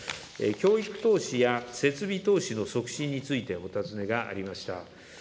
教育投資や設備投資の促進についてお尋ねがありました。